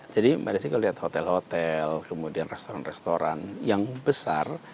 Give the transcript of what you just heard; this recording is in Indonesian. jadi pada saat kita lihat hotel hotel kemudian restoran restoran yang besar